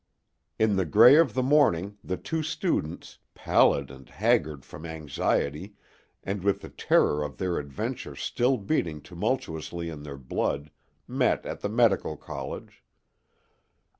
In the gray of the morning the two students, pallid and haggard from anxiety and with the terror of their adventure still beating tumultuously in their blood, met at the medical college.